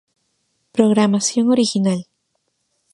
Programación Original